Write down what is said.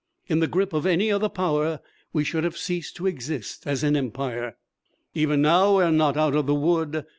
In the grip of any other Power we should have ceased to exist as an Empire. "Even now we are not out of the wood.